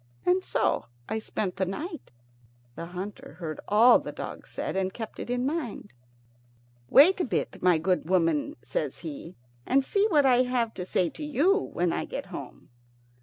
And so I spent the night." The hunter heard all that the dogs said, and kept it in mind. "Wait a bit, my good woman," says he, "and see what I have to say to you when I get home."